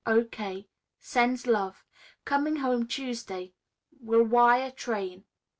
O.K. Sends love. Coming home Tuesday. Will wire train.